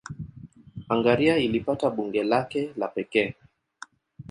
Hungaria ilipata bunge lake la pekee.